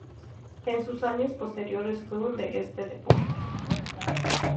En sus años posteriores fue un de este deporte.